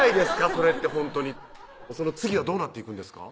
それってその次はどうなっていくんですか？